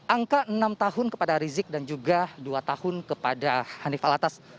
angka enam tahun kepada rizik dan juga dua tahun kepada hanif alatas